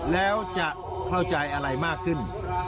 แล้วจะเข้าใจอะไรมากขึ้น